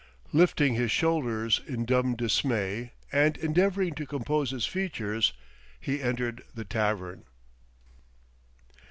Lifting his shoulders in dumb dismay, and endeavoring to compose his features, he entered the tavern.